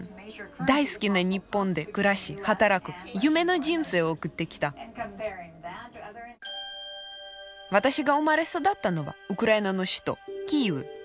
大好きな日本で暮らし働く夢の人生を送ってきた私が生まれ育ったのはウクライナの首都キーウ。